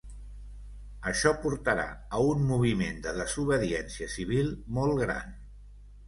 Això portarà a un moviment de desobediència civil molt gran.